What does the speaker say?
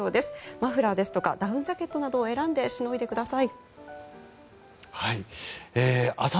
マフラーですとかダウンジャケットなどを選んでしのいでください。